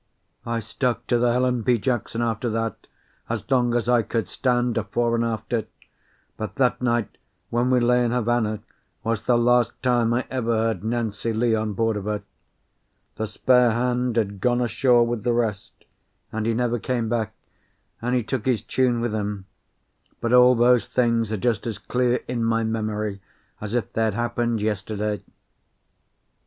I stuck to the Helen B. Jackson after that as long as I could stand a fore and after; but that night when we lay in Havana was the last time I ever heard "Nancy Lee" on board of her. The spare hand had gone ashore with the rest, and he never came back, and he took his tune with him; but all those things are just as clear in my memory as if they had happened yesterday.